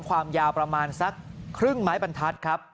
ความยาวประมาณสักครึ่งไม้บรรทัศน์ครับ